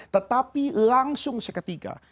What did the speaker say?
tetapi langsung seketika